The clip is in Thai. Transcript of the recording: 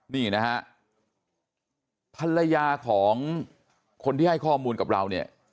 นี่นะฮะภรรยาของคนที่ให้ข้อมูลกับเราเนี่ย